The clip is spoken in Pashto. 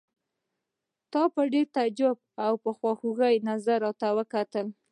تا په ډېر تعجب او خوږ نظر راته وکتل.